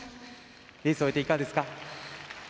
レースを終えていかがですか？